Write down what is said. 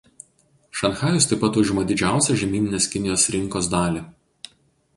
Šanchajus taip pat užima didžiausią žemyninės Kinijos rinkos dalį.